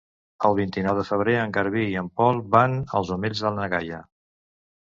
El vint-i-nou de febrer en Garbí i en Pol van als Omells de na Gaia.